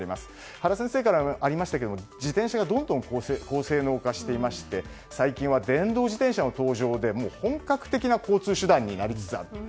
原先生からもありましたが自転車がどんどん高性能化していまして最近は電動自転車の登場で本格的な交通手段になりつつある。